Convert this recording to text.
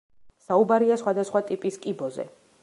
საუბარია სხვადასხვა ტიპის კიბოზე.